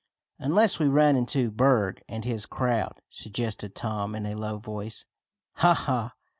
"Unless we run into Berg and his crowd," suggested Tom in a low voice. "Ha! ha!"